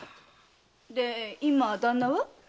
今旦那は？